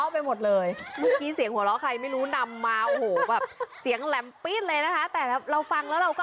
ไปดูบรรยากาศกันหน่อยค่ะ